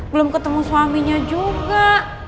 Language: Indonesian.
belum ketemu suaminya juga